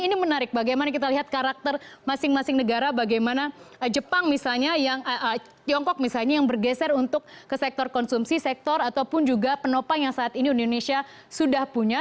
ini menarik bagaimana kita lihat karakter masing masing negara bagaimana jepang misalnya yang tiongkok misalnya yang bergeser untuk ke sektor konsumsi sektor ataupun juga penopang yang saat ini indonesia sudah punya